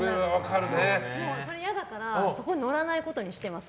それ嫌だからそこに乗らないことにしています。